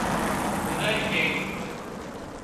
گذاري جھئي